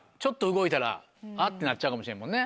「あ！」ってなっちゃうかもしれんもんね。